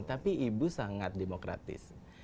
tapi ibu sangat demokratis